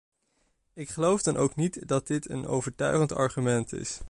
Ik geloof dan ook niet dat dit een overtuigend argument is.